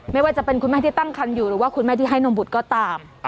ไม่ว่าจะเป็นคุณแม่ที่ตั้งคันอยู่หรือว่าคุณแม่ที่ให้นมบุตรก็ตาม